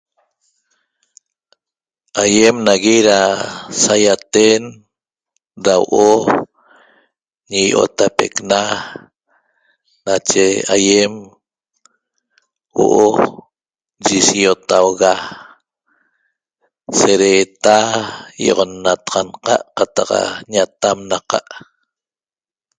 Aiem nagui ra saiaten ra huo'o Ñi Io'otapecna nache aiem huo'o yi siotauga sereta ñoxonnataxanqa' qataq ñatamnaqa'